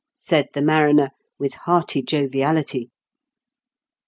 " said the mariner, with hearty joviality.